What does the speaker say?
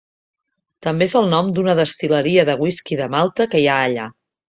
També és el nom d'una destil·leria de whisky de malta que hi ha allà.